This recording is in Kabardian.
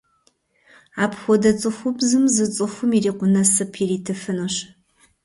Апхуэдэ цӏыхубзым зы цӏыхум ирикъун насып иритыфынущ.